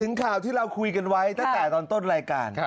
ข่าวที่เราคุยกันไว้ตั้งแต่ตอนต้นรายการ